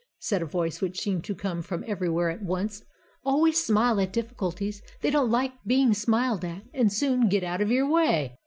said a voice which seemed to come from everywhere at once, "always smile at difficulties; they don't like being smiled at, and soon get out of your way.